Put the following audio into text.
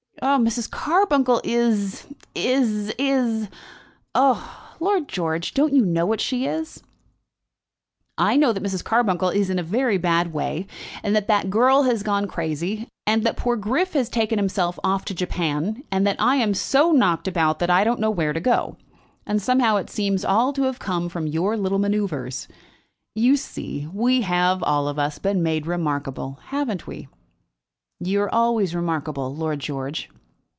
"Mrs. Carbuncle is is is Oh, Lord George, don't you know what she is?" "I know that Mrs. Carbuncle is in a very bad way, and that that girl has gone crazy, and that poor Griff has taken himself off to Japan, and that I am so knocked about that I don't know where to go; and somehow it seems all to have come from your little manoeuvres. You see, we have, all of us, been made remarkable; haven't we?" "You are always remarkable, Lord George."